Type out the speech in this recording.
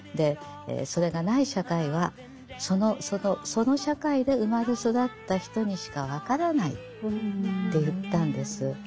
それがない社会はその社会で生まれ育った人にしか分からないって言ったんです。